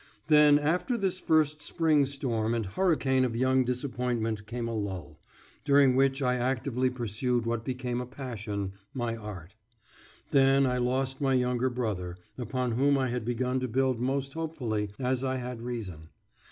Then after this first spring storm and hurricane of young disappointment came a lull during which I actively pursued what became a passion, my art. Then I lost my younger brother, upon whom I had begun to build most hopefully, as I had reason.